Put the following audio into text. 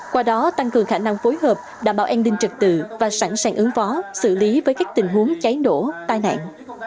qua đó tăng cường khả năng phối hợp đảm bảo an ninh trật tự và sẵn sàng ứng phó xử lý với các tình huống cháy nổ tai nạn